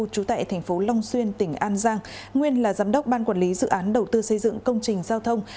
trú tại thành phố long xuyên tỉnh an giang nguyên là giám đốc ban quản lý dự án đầu tư xây dựng công trình giao thông